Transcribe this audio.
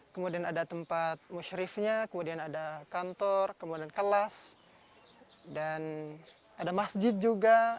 kemudian ada tempat musyrifnya kemudian ada kantor kemudian kelas dan ada masjid juga